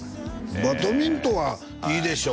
バドミントンはいいでしょ？